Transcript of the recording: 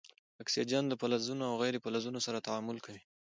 اکسیجن له فلزونو او غیر فلزونو سره تعامل کوي.